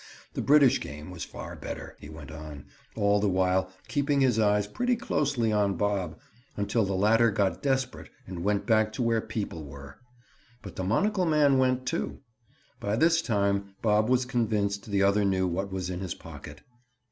The British game was far better, he went on, all the while keeping his eyes pretty closely on Bob, until the latter got desperate and went back to where people were. But the monocle man went, too. By this time Bob was convinced the other knew what was in his pocket.